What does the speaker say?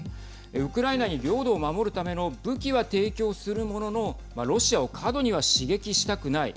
ウクライナに領土を守るための武器は提供するもののロシアを過度には刺激したくない。